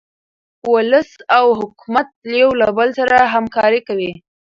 ولس او حکومت یو له بل سره همکاري کوي.